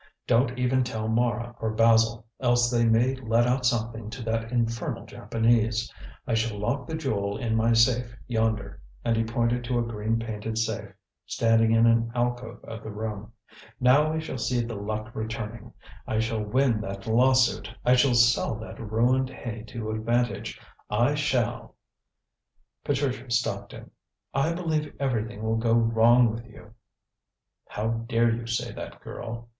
Don't even tell Mara or Basil, else they may let out something to that infernal Japanese. I shall lock the jewel in my safe yonder," and he pointed to a green painted safe, standing in an alcove of the room. "Now we shall see the luck returning! I shall win that lawsuit; I shall sell that ruined hay to advantage; I shall " Patricia stopped him. "I believe everything will go wrong with you." "How dare you say that, girl!"